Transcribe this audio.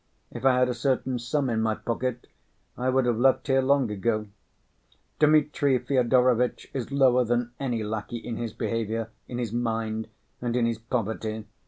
If I had a certain sum in my pocket, I would have left here long ago. Dmitri Fyodorovitch is lower than any lackey in his behavior, in his mind, and in his poverty.